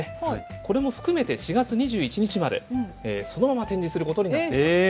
これも含めて４月２１日までそのまま展示することになっています。